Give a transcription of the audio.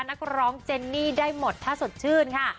นักร้องเจนนี่ได้หมดถ้าสดชื่นค่ะ